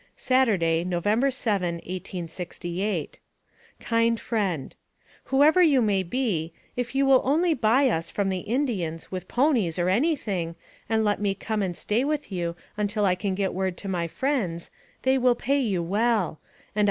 ) Saturday, November 7, 1868. j " KIND FRIEND :" Whoever you may be, if you will only buy us from the Indians with ponies or any thing, and let me come and stay with you until I can get word to my friends, they will pay you well ; and I.